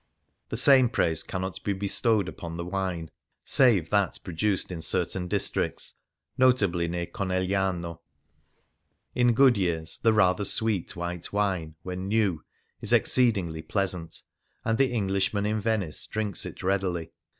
The same praise cannot be bestowed upon the wine, save that produced in certain districts — notably near Conegliano. In good years the rather sweet white wine, when new, is exceed ingly pleasant, and the Englishman in Venice drinks it readily.